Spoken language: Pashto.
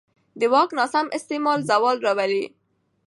د واک ناسم استعمال زوال راولي